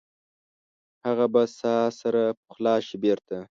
هغه به ساه سره پخلا شي بیرته؟